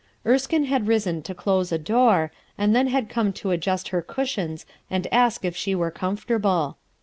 Erskine had risen to close a door, and then had come to adjust her cushions and ask if she were comfortable.